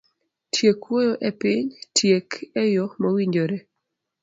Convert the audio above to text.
Tiek wuoyo e piny, tiek eyo mowinjore.